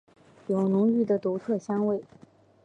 有浓郁的独特香味。